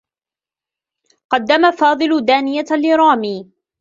قدّم فاضل دانية لرامي.